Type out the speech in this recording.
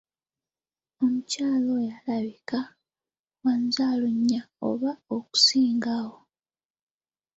Omukyala oyo alabika wa nzaalo nnya oba okusingawo.